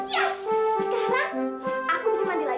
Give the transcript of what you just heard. ya sekarang aku bisa mandi lagi